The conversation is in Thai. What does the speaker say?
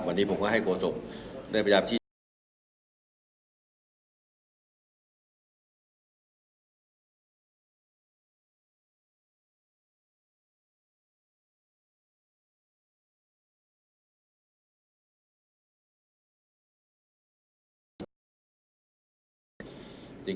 วันนี้ผมก็ให้โกศพด้วยประจำที่